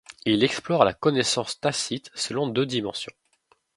Il explore la connaissance tacite selon deux dimensions.